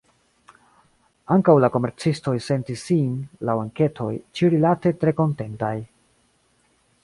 Ankaŭ la komercistoj sentis sin, laŭ enketoj, ĉiurilate tre kontentaj.